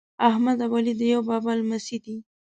احمد او علي د یوه بابا لمسي دي.